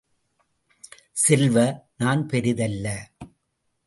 செல்வ, நான் பெரிதல்ல!